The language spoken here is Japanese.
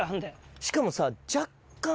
しかもさ。